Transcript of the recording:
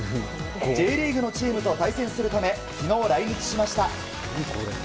Ｊリーグのチームと対戦するため昨日、来日しました。